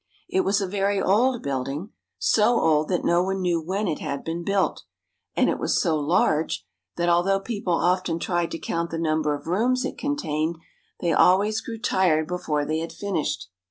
It was a very old building, — so old that no one knew when it had been built; and it was so large that, although people often tried to count the number of rooms it contained, they always grew tired before they had finished.